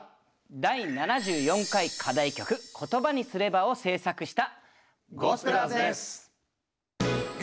第７４回課題曲「言葉にすれば」を制作した。